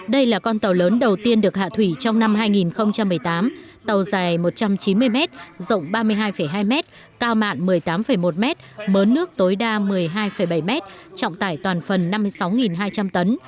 đây là con tàu lớn đầu tiên được hạ thủy trong năm hai nghìn một mươi tám tàu dài một trăm chín mươi m rộng ba mươi hai hai mét cao mạng một mươi tám một m mớ nước tối đa một mươi hai bảy m trọng tải toàn phần năm mươi sáu hai trăm linh tấn